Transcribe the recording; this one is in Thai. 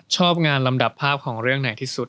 ชอบงานลำดับภาพของเรื่องไหนที่สุด